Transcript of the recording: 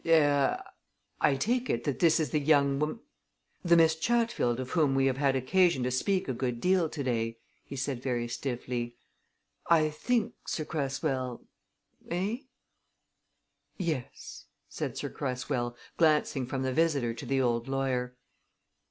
"Er! I take it that this is the young wom the Miss Chatfield of whom we have had occasion to speak a good deal today," he said very stiffly. "I think, Sir Cresswell eh?" "Yes," said Sir Cresswell, glancing from the visitor to the old lawyer.